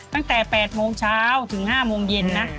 ตั้งแต่๘โมงเช้าถึง๕โมงเย็นนะ